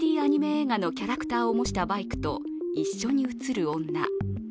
映画のキャラクターを模したバイクと一緒に映る女。